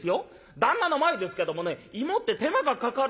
旦那の前ですけどもね芋って手間がかかるんですよ。